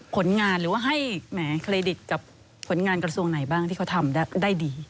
ผลงานหรือว่าให้แหมเครดิตกับผลงานกระทรวงไหนบ้างที่เขาทำได้ดี